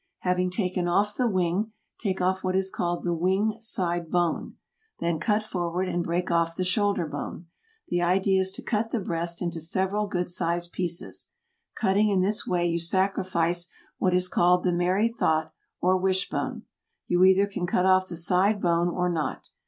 Having taken off the wing, take off what is called the wing side bone. Then cut forward and break off the shoulder bone. The idea is to cut the breast into several good sized pieces. Cutting in this way you sacrifice what is called the merry thought or wishbone. You either can cut off the side bone or not.